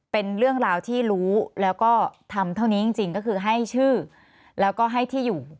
เป็นเรื่องราวที่รู้แล้วก็ทำเท่านี้จริงก็คือให้ชื่อแล้วก็ให้ที่อยู่